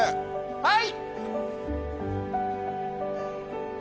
はい！